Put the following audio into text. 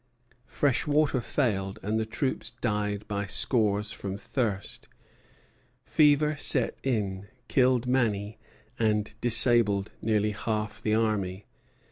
Fresh water failed, and the troops died by scores from thirst; fevers set in, killed many, and disabled nearly half the army.